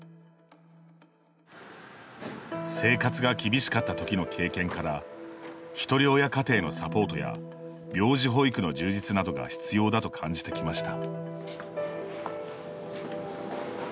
生活が厳しかったときの経験からひとり親家庭のサポートや病児保育の充実などが必要だと感じてきました。